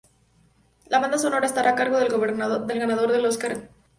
La banda sonora estará a cargo del Ganador del Oscar, Atticus Ross.